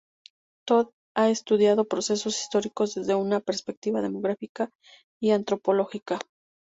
Todd ha estudiado procesos históricos desde una perspectiva demográfica y antropológica.